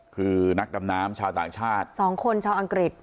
คือนักดำน้ำชาวต่างชาติ๒คนชาวอังกฤษ